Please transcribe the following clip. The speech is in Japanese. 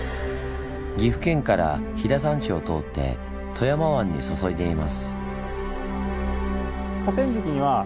岐阜県から飛騨山地を通って富山湾に注いでいます。